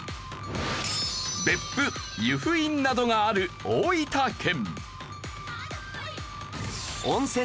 別府湯布院などがある大分県。